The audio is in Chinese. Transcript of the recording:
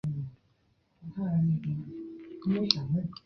短序山梅花为虎耳草科山梅花属下的一个种。